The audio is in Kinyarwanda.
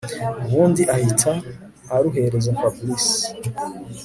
ubundi ahita aruhereza Fabric